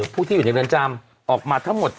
ผู้ที่อยู่ในเรือนจำออกมาทั้งหมด